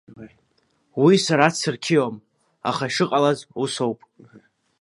Уи сара дсырқьиом, аха ишыҟалаз усоуп.